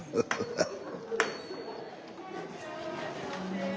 ハハハッ！